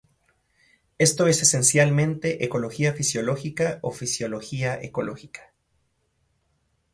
Esto es esencialmente ecología fisiológica o fisiología ecológica.